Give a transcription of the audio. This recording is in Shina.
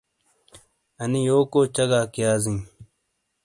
انی یوکو چگاک یازی ؟